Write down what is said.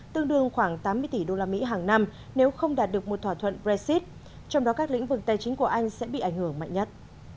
tương đương khoảng tám mươi tỷ usd hàng năm nếu không đạt được một thỏa thuận brexit trong đó các lĩnh vực tài chính của anh sẽ bị ảnh hưởng mạnh nhất